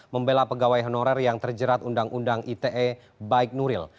membela pegawai honorer yang terjerat undang undang ite baik nuril